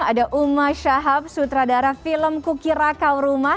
ada uma syahab sutradara film kukirakau rumah